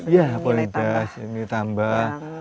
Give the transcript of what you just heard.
ya komoditas ini tambah